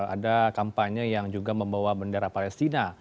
ada kampanye yang juga membawa bendera palestina